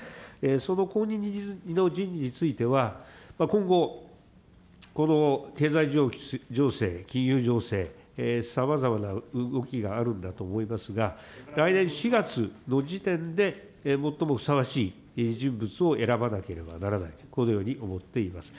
その後任の人事については、今後、経済情勢、金融情勢、さまざまな動きがあるんだと思いますが、来年４月の時点で、最もふさわしい人物を選ばなければならない、このように思っています。